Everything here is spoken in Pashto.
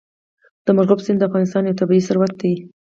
مورغاب سیند د افغانستان یو طبعي ثروت دی.